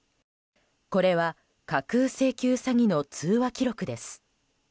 これは架空請求詐欺の通話記録です。